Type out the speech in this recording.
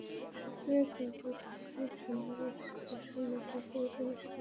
শুকিয়ে যাওয়া পাহাড়ি ঝরনার আশপাশের মাটি খুঁড়ে পানি সংগ্রহ করছেন তাঁরা।